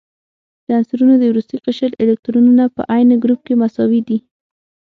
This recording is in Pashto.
د عنصرونو د وروستي قشر الکترونونه په عین ګروپ کې مساوي دي.